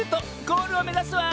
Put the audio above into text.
ゴールをめざすわ！